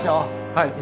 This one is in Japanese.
はい。